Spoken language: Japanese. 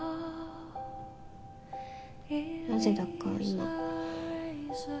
なぜだか今。